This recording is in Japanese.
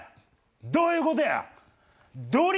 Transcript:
どういうことや⁉どり